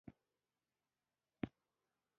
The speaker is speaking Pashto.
احمد چې کله علي ولید خپلې څپلۍ ترې پاتې شولې.